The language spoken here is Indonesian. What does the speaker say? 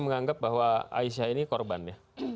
menganggap bahwa aisyah ini korban ya